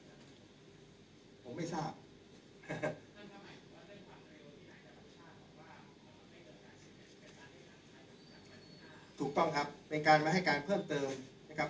ถูกต้องครับเป็นการมาให้การเพิ่มเติมนะครับ